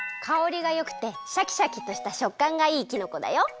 かおりがよくてシャキシャキとしたしょっかんがいいきのこだよ。